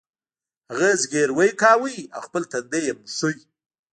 هغه زګیروی کاوه او خپل تندی یې مښه